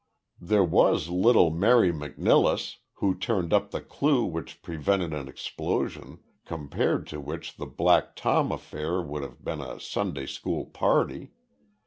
"There was little Mary McNilless, who turned up the clue which prevented an explosion, compared to which the Black Tom affair would have been a Sunday school party.